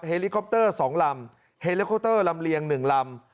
เฮลิคอปเตอร์๒ลำเฮลิคอปเตอร์ลำเลียง๑ลำ